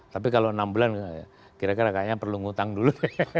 tapi kalau enam bulan kira kira kayaknya perlu ngutang dulu